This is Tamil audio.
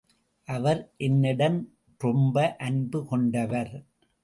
அவர் என்னிடம் ரொம்ப அன்பு கொண்டவர்.